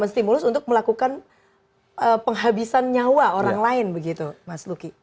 stimulus untuk melakukan penghabisan nyawa orang lain begitu mas luki